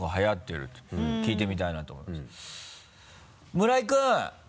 村井君！